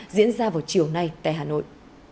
diễn ra vào chiều nay tại hà nội